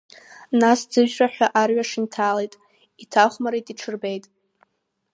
Нас ӡыжәраҳәа арҩаш инҭалеит, иҭахәмарит, иҽырбеит…